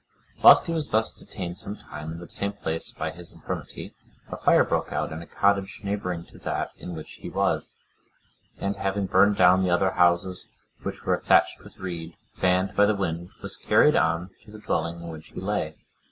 Whilst he was thus detained some time in the same place by his infirmity, a fire broke out in a cottage neighbouring to that in which he was; and having burned down the other houses which were thatched with reed, fanned by the wind, was carried on to the dwelling in which he lay.